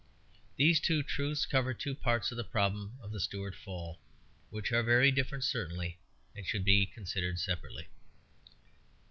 These two truths cover two parts of the problem of the Stuart fall, which are of very different certainty, and should be considered separately.